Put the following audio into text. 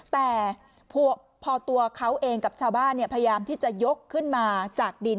แต่พอตัวเขาเองกับชาวบ้านพยายามที่จะยกขึ้นมาจากดิน